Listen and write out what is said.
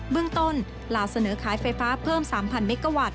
เรื่องต้นลาวเสนอขายไฟฟ้าเพิ่ม๓๐๐เมกาวัตต